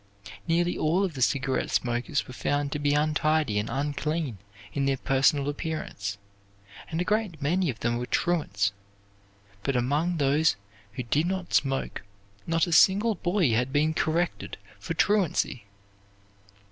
Nearly all of the cigarette smokers were found to be untidy and unclean in their personal appearance, and a great many of them were truants; but among those who did not smoke not a single boy had been corrected for truancy.